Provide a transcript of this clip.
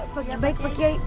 baik pak kiai